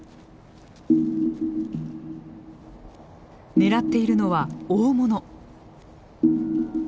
狙っているのは大物。